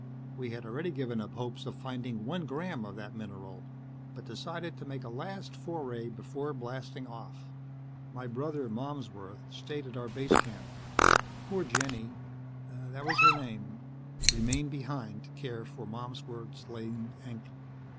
We had already given up hopes of finding one gram of that mineral, but decided to make a last foray before blasting off. My brother, Malmsworth, stayed at our base camp. Poor Jenny that was her name remained behind to care for Malmsworth's lame ankle."